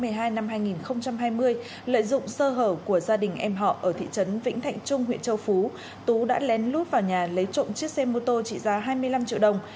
lợi dụng sơ hở của gia đình em họ ở thị trấn vĩnh thạnh trung huyện châu phú tú đã lén lút vào nhà lấy trộm chiếc xe mô tô trị giá hai mươi năm triệu đồng